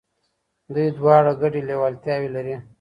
دوی دواړه ګډي لېوالتياوي لري.